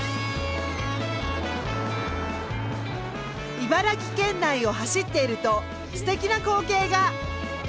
茨城県内を走っているとすてきな光景が。